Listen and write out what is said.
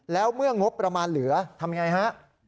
แล้วเมื่องบประมาณเหลือทำยังไงฮะ